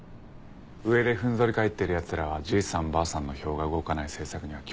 上でふんぞり返ってる奴らはじいさんばあさんの票が動かない政策には興味がない。